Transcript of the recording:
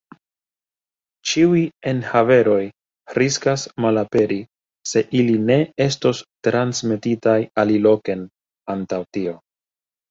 Ĉiuj enhaveroj riskas malaperi, se ili ne estos transmetitaj aliloken antaŭ tio.